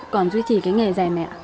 còn duy trì cái nghề rèn ạ